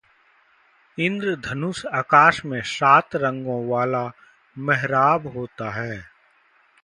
इंद्रधनुष आकाश में सात रंगों वाला मेहराब होता है।